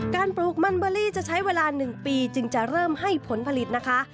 ปลูกมันเบอรี่จะใช้เวลา๑ปีจึงจะเริ่มให้ผลผลิตนะคะ